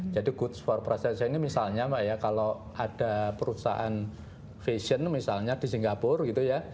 jadi goods for processing ini misalnya mbak ya kalau ada perusahaan fashion misalnya di singapur gitu ya